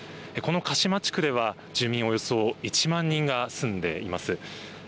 この鹿島地区では住民およそ１万人が住んでいます。